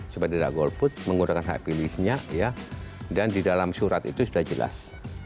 supaya tidak golput menggunakan hak pilihnya dan di dalam surat itu sudah jelas